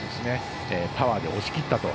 パワーで押し切ったと。